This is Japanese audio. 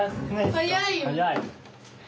早い。